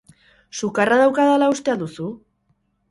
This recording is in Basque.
Sukarra daukadala uste al duzu?